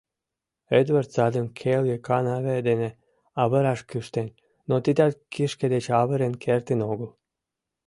Эдвард садым келге канаве дене авыраш кӱштен, но тидат кишке деч авырен кертын огыл.